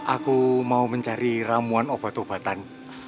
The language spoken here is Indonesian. aku mau mencari ramuan obat obatan